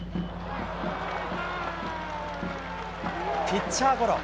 ピッチャーゴロ。